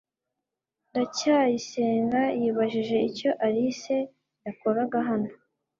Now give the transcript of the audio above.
ndacyayisenga yibajije icyo alice yakoraga hano